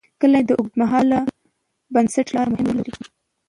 کلي د اوږدمهاله پایښت لپاره مهم رول لري.